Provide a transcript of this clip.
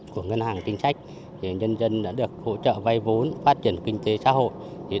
của ngân hàng chính sách nhân dân đã được hỗ trợ vay vốn phát triển kinh tế xã hội